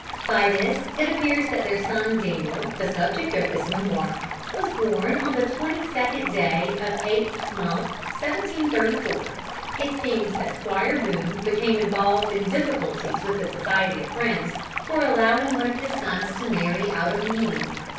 By this it appears that their son Daniel, the subject of this memoir, was born on the twenty second day of eighth month, 1734. It seems that Squire Boone became involved in difficulties with the Society of Friends, for allowing one of his sons to marry out of meeting.